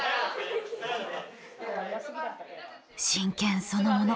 真剣そのもの。